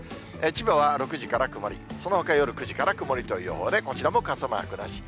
千葉は６時から曇り、そのほか夜９時から曇りという予報でこちらも傘マークなし。